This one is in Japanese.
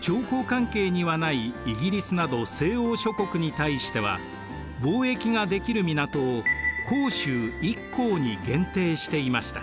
朝貢関係にはないイギリスなど西欧諸国に対しては貿易ができる港を広州１港に限定していました。